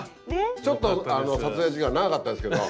ちょっと撮影時間長かったですけど。